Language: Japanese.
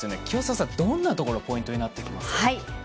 清澤さん、どんなところポイントになってきますか。